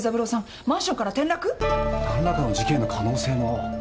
「何らかの事件の可能性も」